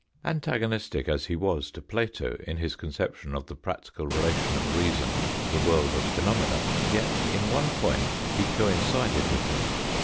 Antagonistic as he was to Plato in his conception of the practical relation of reason to the world of phenomena, yet in one point he coincided with him.